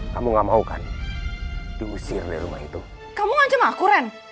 kamu nggak mau kan diusir dari rumah itu kamu